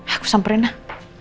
aku samperin lah